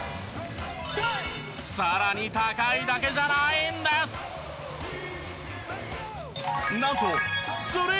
さらに高いだけじゃないんです！